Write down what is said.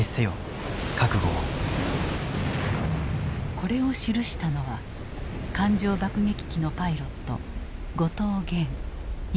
これを記したのは艦上爆撃機のパイロット後藤元２１歳。